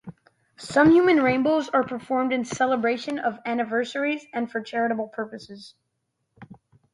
Some human rainbows are formed in celebration of anniversaries and for charitable purposes.